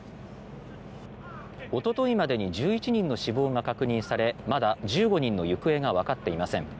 おとといまでに１１人の死亡が確認されまだ１５人の行方がわかっていません。